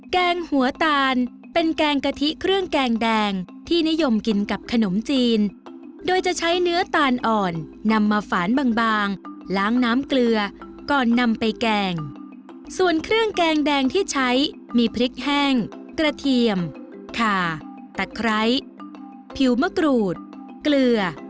แกงหัวตาลเป็นแกงกะทิเครื่องแกงแดงที่นิยมกินกับขนมจีนโดยจะใช้เนื้อตาลอ่อนนำมาฝานบางล้างน้ำเกลือก่อนนำไปแกงส่วนเครื่องแกงแดงที่ใช้มีพริกแห้งกระเทียมขาตะไคร้ผิวมะกรูดเกลือ